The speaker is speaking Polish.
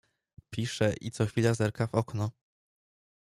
Pisze i co chwila zerka w okno.